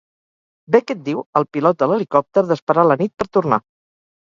Beckett diu al pilot de l'helicòpter d'esperar la nit per tornar.